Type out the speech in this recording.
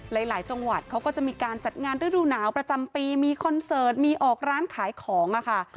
หลายจังหวัดเขาก็จะมีการจัดงานฤดูหนาวประจำปีมีคอนเสิร์ตมีออกร้านขายของค่ะ